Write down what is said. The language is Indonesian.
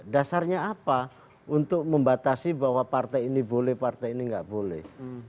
dasarnya apa untuk membatasi bahwa partai ini boleh partai ini nggak boleh